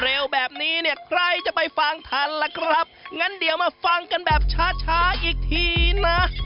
เร็วแบบนี้เนี่ยใครจะไปฟังทันล่ะครับงั้นเดี๋ยวมาฟังกันแบบช้าช้าอีกทีนะ